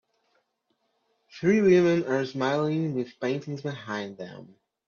Three women are smiling with paintings behind them.